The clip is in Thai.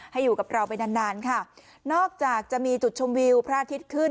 ให้กับเราไปนานนานค่ะนอกจากจะมีจุดชมวิวพระอาทิตย์ขึ้น